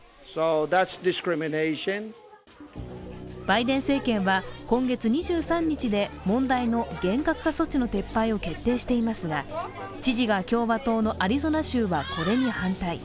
バイデン政権は今月２３日で問題の厳格化措置の撤廃を決定していますが知事が共和党のアリゾナ州はこれに反対。